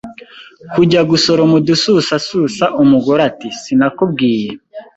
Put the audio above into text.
kujya gusoroma udususasusa Umugore ati Sinakubwiye